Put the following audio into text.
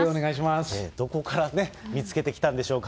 どこからね、見つけてきたんでしょうか。